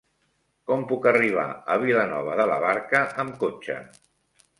Com puc arribar a Vilanova de la Barca amb cotxe?